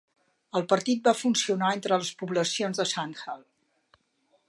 El partit va funcionar entre les poblacions de Santhal.